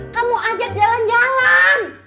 kamu ajak jalan jalan